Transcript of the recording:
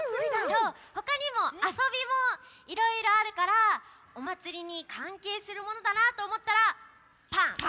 そうほかにもあそびもいろいろあるからおまつりにかんけいするものだなとおもったら「パン！」。